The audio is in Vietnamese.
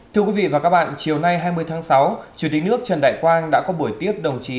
thưa quý vị và các bạn chiều nay hai mươi tháng sáu chủ tịch nước trần đại quang đã có buổi tiếp đồng chí